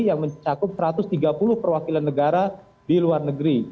yang mencakup satu ratus tiga puluh perwakilan negara di luar negeri